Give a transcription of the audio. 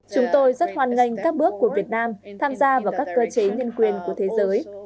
chúng tôi rất hoan nghênh các bước của việt nam tham gia vào các cơ chế nhân quyền của thế giới